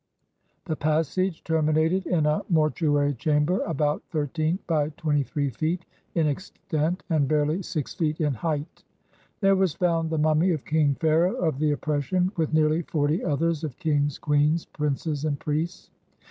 The passage terminated in a mortu ary chamber about thirteen by twenty three feet in extent, and barely six feet in height. There was found the mummy of King Pharaoh of the Oppression, with nearly forty others of kings, queens, princes, and priests.